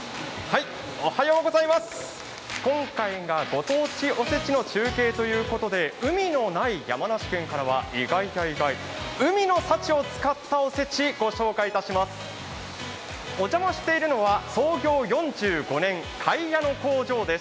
今回がご当地おせちの中継ということで海のない山梨県からは意外や意外海の幸を使ったおせちをご紹介していきます。